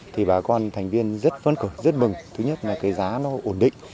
thì bà con thành viên rất vấn cờ rất mừng thứ nhất là cái giá nó ổn định